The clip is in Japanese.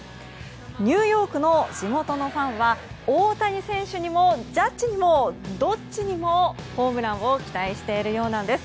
ニューヨークの地元のファンは大谷選手にもジャッジにもどっちにもホームランを期待しているようなんです。